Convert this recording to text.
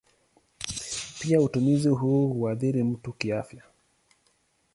Pia utumizi huu huathiri mtu kiafya.